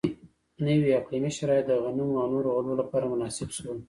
نوي اقلیمي شرایط د غنمو او نورو غلو لپاره مناسب شول.